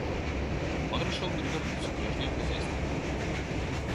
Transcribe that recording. Он решил перевернуть всё прежнее хозяйство.